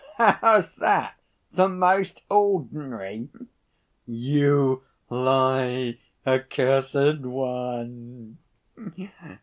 "How's that the most ordinary?" "You lie, accursed one!"